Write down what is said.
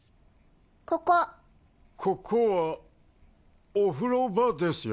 ここここはお風呂場ですよ